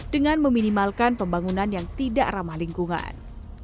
dengan meminimalkan pembangunan yang tidak ramah lingkungan